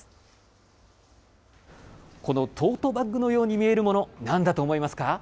このトートバッグのように見えるもの、なんだと思いますか。